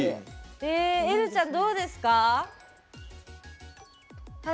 えるちゃん、どうでした？